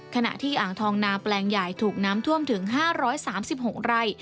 ขณะที่อ่างทองนาแปลงใหญ่ถูกน้ำท่วมถึง๕๓๖ไร่